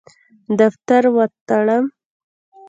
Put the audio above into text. دفتر وتړم.